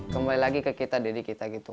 kembali lagi ke kita diri kita gitu